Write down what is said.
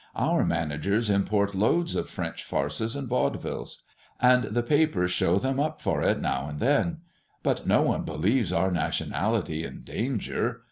Our managers import loads of French farces and vaudevilles, and the papers show them up for it now and then; but no one believes our nationality in danger.